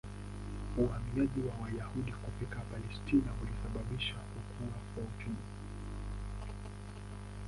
Uhamiaji wa Wayahudi kufika Palestina ulisababisha kukua kwa uchumi.